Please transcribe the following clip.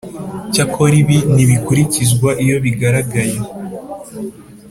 icyakora ibi ntibikurikizwa iyo bigaragaye